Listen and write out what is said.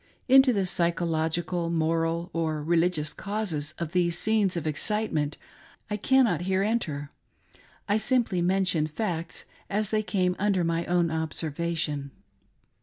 Into the psychological, moral, or religious causes of these scenes of excitement I cannot here enter ;— I simply mentioii facts as they came under my own observation.